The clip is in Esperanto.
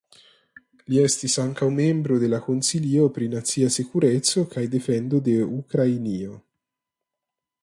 Li estas ankaŭ membro de la Konsilio pri nacia sekureco kaj defendo de Ukrainio.